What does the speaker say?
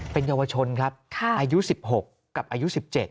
เป็นเยาวชนครับอายุ๑๖กับอายุ๑๗